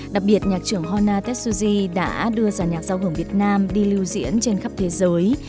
đặc biệt nhạc trưởng hona tetsuji đã đưa giàn nhạc giao hưởng việt nam đi lưu diễn trên khắp thế giới